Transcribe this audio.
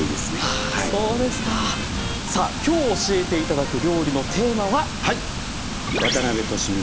さあ今日教えて頂く料理のテーマは？